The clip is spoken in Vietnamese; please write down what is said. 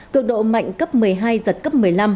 cường độ mạnh cấp một mươi hai giật cấp một mươi năm